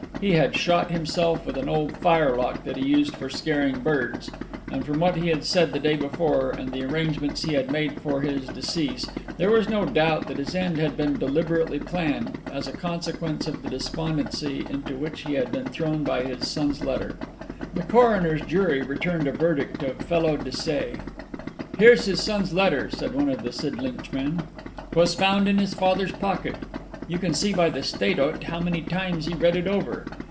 He had shot himself with an old firelock that he used for scaring birds; and from what he had said the day before, and the arrangements he had made for his decease, there was no doubt that his end had been deliberately planned, as a consequence of the despondency into which he had been thrown by his son's letter. The coroner's jury returned a verdict of felo de se. 'Here's his son's letter,' said one of the Sidlinch men. ''Twas found in his father's pocket. You can see by the state o't how many times he read it over.